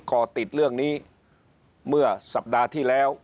ก่อติดเรื่องนี้เมื่อสัปดาห์ที่แล้ว